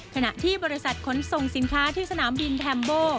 ขณะที่บริษัทขนส่งสินค้าที่สนามบินแฮมโบ